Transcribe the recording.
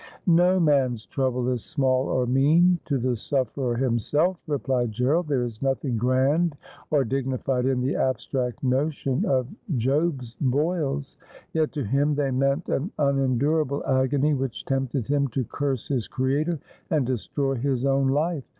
' No man's trouble is small or mean to the sufferer himself,' replied G.erald. ' There is nothing grand or dignified in the abstract notion of Job's boils ; yet to him they meant an unen durable agony which tempted him to curse his Creator and destroy his own life.